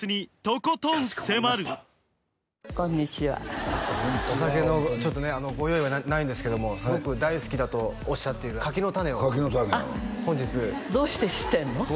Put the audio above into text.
こんにちはお酒のちょっとねご用意はないんですけどもすごく大好きだとおっしゃっている柿の種を柿の種やわあっどうして知ってんの？